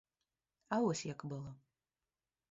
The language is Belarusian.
А вось як было.